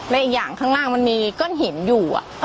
และอีกอย่างข้างล่างมันมีก้อนหินอยู่